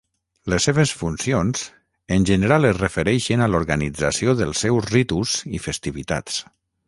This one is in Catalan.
Les seves funcions, en general es refereixen a l'organització dels seus ritus i festivitats.